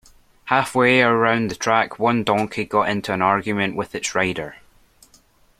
Halfway around the track one donkey got into an argument with its rider.